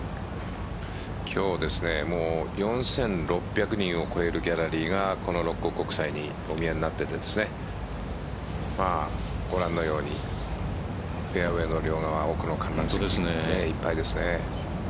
今日４６００人を超えるギャラリーがこの六甲国際にお見えになっていてご覧のようにフェアウェイの両側いっぱいですね。